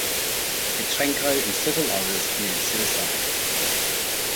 Petrenko and several others committed suicide.